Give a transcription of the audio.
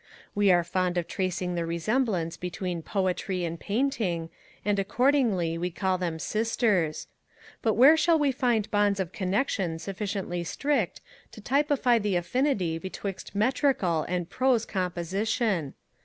We are fond of tracing the resemblance between Poetry and Painting, and, accordingly, we call them Sisters: but where shall we find bonds of connexion sufficiently strict to typify the affinity betwixt metrical and prose composition?